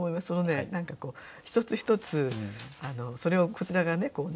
その一つ一つそれをこちらがね